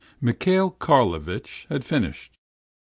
Mihail Karlovitch had finished.